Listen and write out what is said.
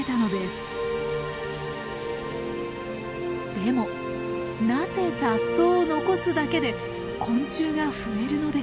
でもなぜ雑草を残すだけで昆虫が増えるのでしょうか？